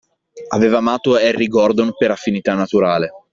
Aveva amato Harry Gordon per affinità naturale.